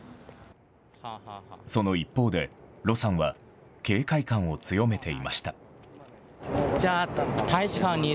その一方で、盧さんは警戒感を強めていました。